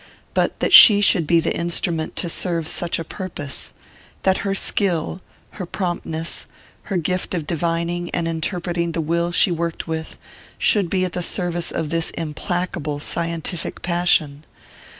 But that she should be the instrument to serve such a purpose that her skill, her promptness, her gift of divining and interpreting the will she worked with, should be at the service of this implacable scientific passion!